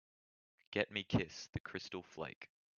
Get me Kiss the Crystal Flake